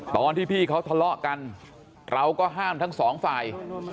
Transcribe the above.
ตอนที่พี่เขาทะเลาะกันเราก็ห้ามทั้งสองฝ่าย